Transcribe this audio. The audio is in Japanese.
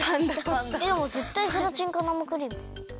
でもぜったいゼラチンか生クリーム。